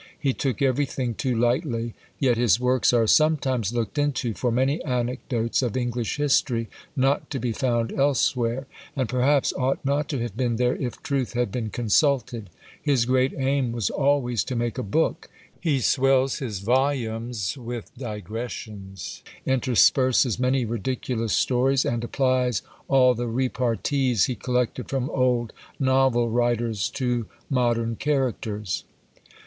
He took everything too lightly; yet his works are sometimes looked into for many anecdotes of English history not to be found elsewhere; and perhaps ought not to have been there if truth had been consulted. His great aim was always to make a book: he swells his volumes with digressions, intersperses many ridiculous stories, and applies all the repartees he collected from old novel writers to modern characters.